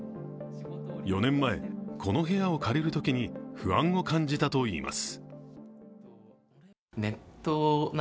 ４年前、この部屋を借りるときに不安を感じたといいます。